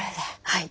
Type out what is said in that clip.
はい。